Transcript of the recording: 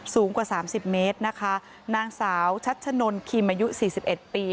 สูงกว่า๓๐เมตรนะคะนางสาวชัชนลคีมมายุ๔๑ปี